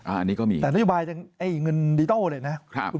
อันนี้ก็มีอย่างนี้ครับครับคุณพักภูมิแต่นโยบายเงินดีโต้เลยนะ